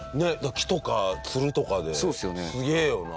木とか蔓とかですげえよな。